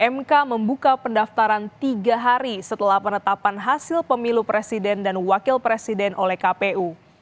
mk membuka pendaftaran tiga hari setelah penetapan hasil pemilu presiden dan wakil presiden oleh kpu